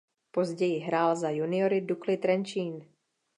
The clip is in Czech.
Později hrál za juniory Dukly Trenčín.